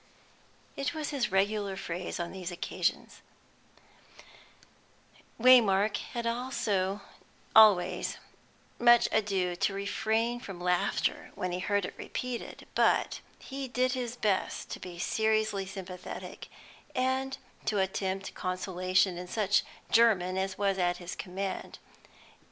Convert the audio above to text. It was his regular phrase on these occasions; Waymark had always much ado to refrain from laughter when he heard it repeated, but he did his best to be seriously sympathetic, and to attempt consolation in such German as was at his command.